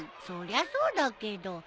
そりゃそうだけど。